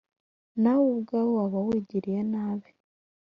nawe ubwawe waba wigiriye nabi.